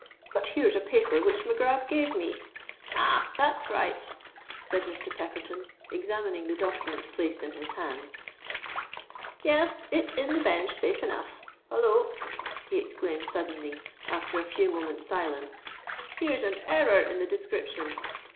"But here's a paper which Mac Grab gave me——" "Ah! that's right," said Mr. Pepperton, examining the document placed in his hands. "Yes—it's in the Bench, safe enough. Holloa!" he exclaimed suddenly, after a few moments' silence: "here's an error in the description.